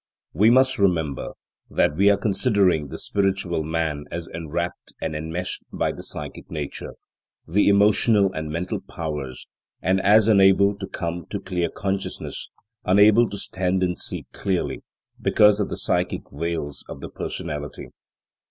We must remember that we are considering the spiritual man as enwrapped and enmeshed by the psychic nature, the emotional and mental powers; and as unable to come to clear consciousness, unable to stand and see clearly, because of the psychic veils of the personality.